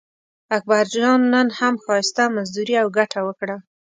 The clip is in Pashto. اکبرجان نن هم ښایسته مزدوري او ګټه وکړه.